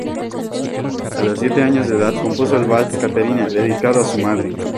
A los siete años de edad, compuso el vals "Catarina", dedicado a su madre.